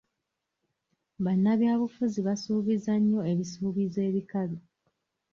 Bannabyabufuzi basuubiza nnyo ebisuubizo ebikalu.